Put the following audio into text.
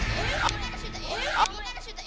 あっ。